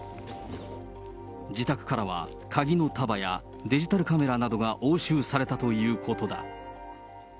自宅からは鍵の束や、デジタルカメラなどが押収されたということだ。